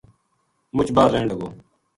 مُچ باہر رہن لگو